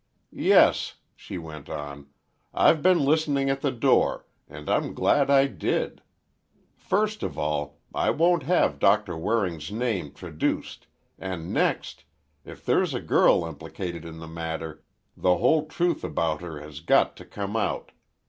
"Yes," she went on, "I've been listening at the door, and I'm glad I did. First of all, I won't have Doctor Waring's name traduced, and next, if there's a girl implicated in the matter, the whole truth about her has got to come out!